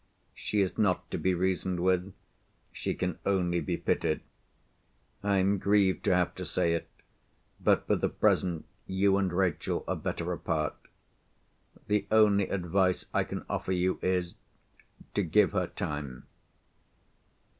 She is not to be reasoned with—she can only be pitied. I am grieved to have to say it, but for the present, you and Rachel are better apart. The only advice I can offer you is, to give her time."